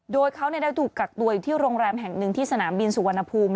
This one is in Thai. โดยเขาได้ถูกกักตัวอยู่ที่โรงแรมแห่งหนึ่งที่สนามบินสุวรรณภูมิ